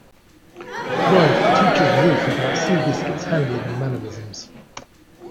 Red teaches Woolf about Seabiscuit's handling and mannerisms.